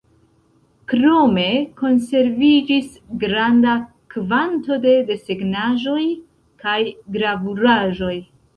Krome konserviĝis granda kvanto de desegnaĵoj kaj gravuraĵoj.